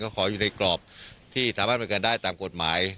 ขออยู่ในกรอบที่สามารถบริการได้ตามกฎหมาย